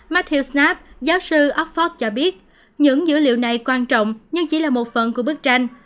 matthew snap giáo sư offord cho biết những dữ liệu này quan trọng nhưng chỉ là một phần của bức tranh